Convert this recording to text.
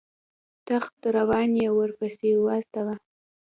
تخت روان یې ورپسې واستاوه.